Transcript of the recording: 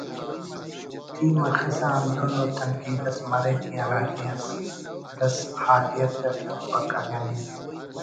ٹی مخسا ہندن ءُ تنقید اس مریک کہ ہراکہ لس حالیت اٹ مفک اگہ نی